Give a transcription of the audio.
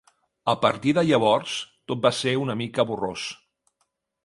A partir de llavors, tot va ser una mica borrós.